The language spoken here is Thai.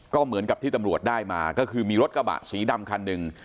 ก็เหมือนกับที่ตำรวจได้มาก็คือมีรถกระบะสีดำคันหนึ่ง